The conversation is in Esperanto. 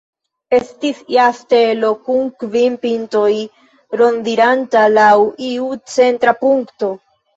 Estis ja stelo, kun kvin pintoj, rondiranta laŭ iu centra punkto.